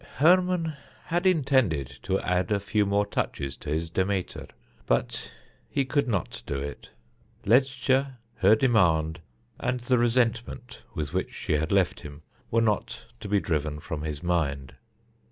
Hermon had intended to add a few more touches to his Demeter, but he could not do it. Ledscha, her demand, and the resentment with which she had left him, were not to be driven from his mind.